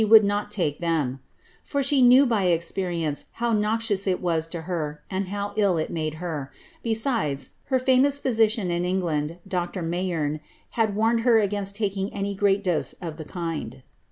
187 vould not take them, ^ for she knew by experience how noxious it was to her^ and how ill it made her ; besides, her famous physician in Eng land, Dr. Mayeme, had warned her against taking any great dose of tlie kind.'